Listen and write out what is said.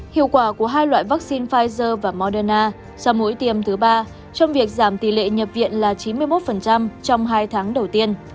hiệu quả của hai loại vaccine pfizer và moderna sau mỗi tiêm thứ ba trong việc giảm tỷ lệ nhập viện là chín mươi một trong hai tháng đầu tiên